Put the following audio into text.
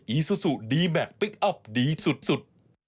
อซูซูดีแมคพลิกอัพดีสุด